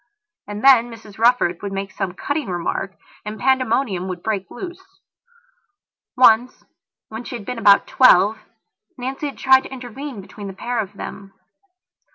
And then Mrs Rufford would make some cutting remark and pandemonium would break loose. Once, when she had been about twelve, Nancy had tried to intervene between the pair of them.